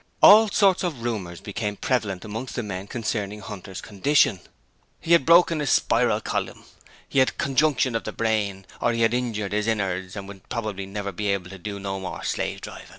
All sorts of rumours became prevalent amongst the men concerning Hunter's condition. He had 'broken his spiral column', he had 'conjunction of the brain', or he had injured his 'innards' and would probably never be able to 'do no more slave drivin''.